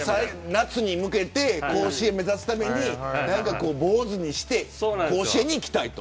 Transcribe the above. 夏に向けて甲子園を目指すために坊主にして甲子園に行きたいと。